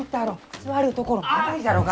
座るところもないじゃろうが！